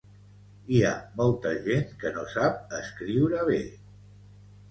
Hi ha molta gent que no sap escriure bé.